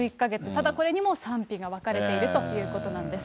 ただ、これにも賛否が分かれているということなんです。